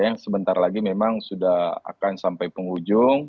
yang sebentar lagi memang sudah akan sampai penghujung